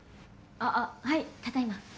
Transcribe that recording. あはいただいま。